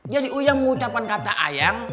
jadi uya mengucapkan kata ayam